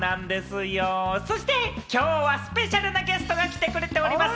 そしてきょうはスペシャルなゲストが来てくれております。